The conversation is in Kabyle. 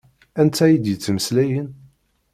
Anta i d-yettmeslayen?